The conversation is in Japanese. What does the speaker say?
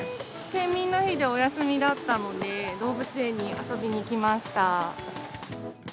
県民の日でお休みだったので、動物園に遊びに来ました。